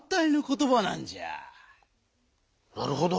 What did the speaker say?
なるほど！